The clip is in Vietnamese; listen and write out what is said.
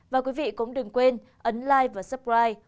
và quý vị cũng đừng quên ấn like và subscribe